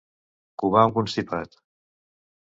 Covar un constipat.